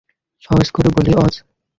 সহজ করে বলি, অজ।